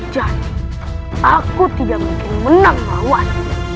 jadi aku tidak mungkin menang bawah